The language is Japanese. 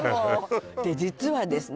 で実はですね